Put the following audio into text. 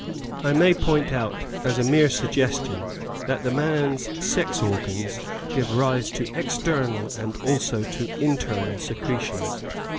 I may point out as a mere suggestion that the man's sex organs give rise to external and also to internal secretions.